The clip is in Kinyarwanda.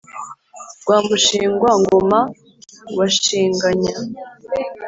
rwa mushingwa-ngoma wa shinganya,